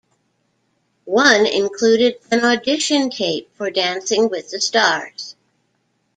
One included an audition tape for "Dancing with the Stars".